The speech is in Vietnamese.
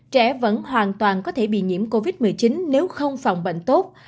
trẻ vẫn hoàn toàn có thể bị nhiễm covid một mươi chín nếu không phòng bệnh tốt